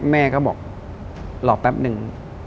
แม่ก็บอกรอแป๊บนึง